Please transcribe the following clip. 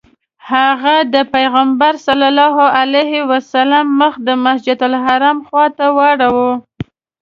هغه د پیغمبر علیه السلام مخ د مسجدالحرام خواته واړوه.